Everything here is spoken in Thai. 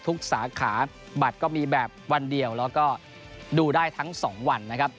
สาขาบัตรก็มีแบบวันเดียวแล้วก็ดูได้ทั้ง๒วันนะครับ